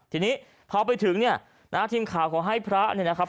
ทีนี้พอไปถึงเนี่ยนะฮะทีมข่าวขอให้พระเนี่ยนะครับ